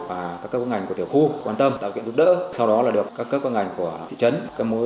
anh trung ngậm ngùi xúc động chia sẻ